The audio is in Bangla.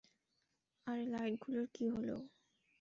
আরে লাইট গুলোর কি হলো?